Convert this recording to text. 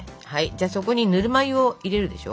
そこにぬるま湯を入れるでしょ。